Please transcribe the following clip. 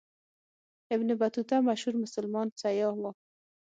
ابن بطوطه مشهور مسلمان سیاح و.